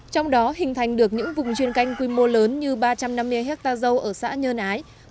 trong đó hình thành được những vùng chuyên canh quy mô lớn như ba trăm năm mươi hectare dâu ở xã nhơn ái